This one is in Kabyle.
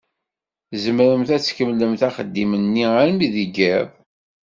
Tzemremt ad tkemmlemt axeddim-nni armi deg iḍ?